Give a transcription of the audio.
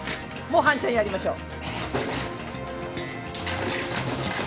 もうハンチャンやりましょう。